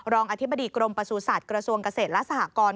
อธิบดีกรมประสูจัตว์กระทรวงเกษตรและสหกร